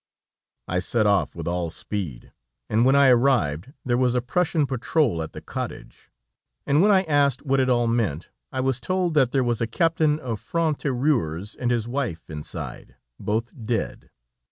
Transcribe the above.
I set off with all speed, and when I arrived, there was a Prussian patrol at the cottage, and when I asked what it all meant, I was told that there was a captain of Franc tireurs and his wife inside, both dead.